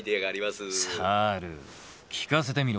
猿聞かせてみろ。